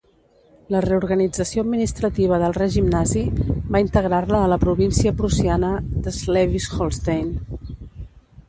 La reorganització administrativa del règim nazi va integrar-la a la província prussiana de Slesvig-Holstein.